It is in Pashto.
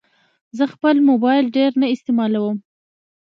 زه خپل موبایل ډېر نه استعمالوم.